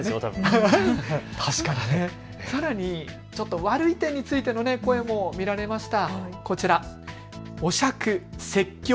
さらに悪い点についての声も見られました。